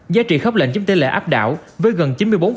giá trị khắp lệnh chứng tế lệ áp đảo với gần chín mươi bốn